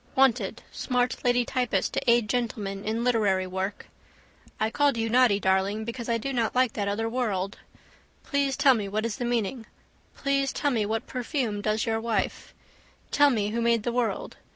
Wanted, smart lady typist to aid gentleman in literary work. I called you naughty darling because I do not like that other world. Please tell me what is the meaning. Please tell me what perfume does your wife. Tell me who made the world.